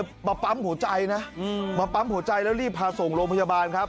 วิ่งเข้ามาเลยมาปั๊มหัวใจนะมาปั๊มหัวใจแล้วรีบพาส่งโรงพยาบาลครับ